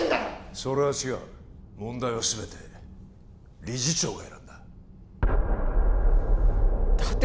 それは違う問題はすべて理事長が選んだだって